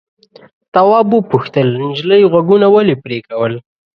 تواب وپوښتل نجلۍ غوږونه ولې پرې کول.